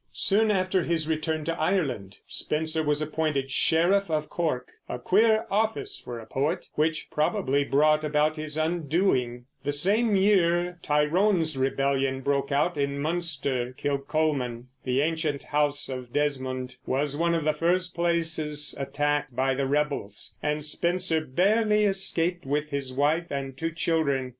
Soon after his return to Ireland, Spenser was appointed Sheriff of Cork, a queer office for a poet, which probably brought about his undoing. The same year Tyrone's Rebellion broke out in Munster. Kilcolman, the ancient house of Desmond, was one of the first places attacked by the rebels, and Spenser barely escaped with his wife and two children.